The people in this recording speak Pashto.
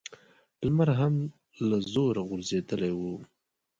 لمر هم له زوره غورځېدلی و.